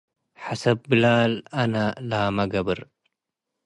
ሐሰብ ቢላል አነ ላመ ገብር